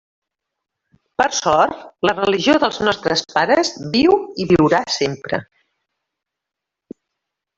Per sort, la religió dels nostres pares viu i viurà sempre.